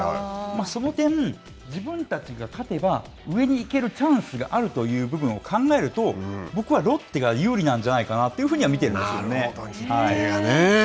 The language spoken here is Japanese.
その点、自分たちが勝てば、上に行けるチャンスがあるという部分を考えると、僕はロッテが有利なんじゃないかなと見ているんです日程がね。